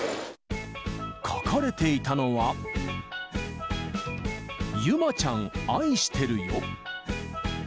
書かれていたのは、ゆまちゃん愛してるよ。